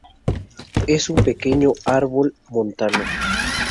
Es un pequeño árbol montano.